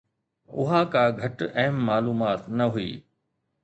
اها ڪا گهٽ اهم معلومات نه هئي.